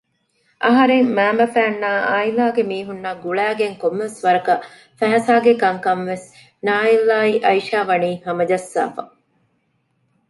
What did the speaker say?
އަހަރެންގެ މައިންބަފައިންނާއި އާއިލާގެ މީހުންނަށް ގުޅައިގެން ކޮންމެވެސް ވަރަކަށް ފައިސާގެ ކަންކަންވެސް ނާއިލްއާއި އައިޝާވަނީ ހަމަޖައްސާފަ